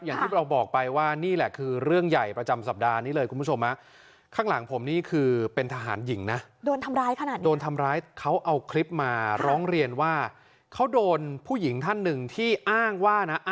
อย่างที่เราบอกไปว่านี่แหละคือเรื่องใหญ่ประจำสัปดาห์นี้เลยคุณผู้ชม